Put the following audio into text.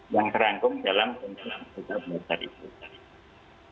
yang terangkum dalam bentuk pendidikan